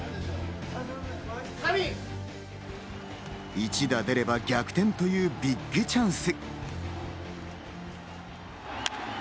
１打出れば逆転というビッグチャンス。